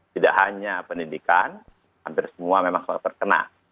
tidak hanya pendidikan hampir semua memang selalu terkena